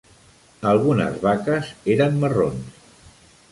Algunes vaques eren marrons.